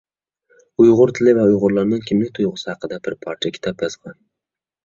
ئۇيغۇر تىلى ۋە ئۇيغۇرلارنىڭ كىملىك تۇيغۇسى ھەققىدە بىر پارچە كىتاب يازغان.